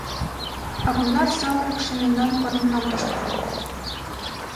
А кунар самырыкше мемнан корнынам тошка!